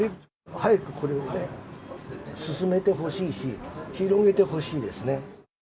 早くこれをね、進めてほしいし、広げてほしいですね。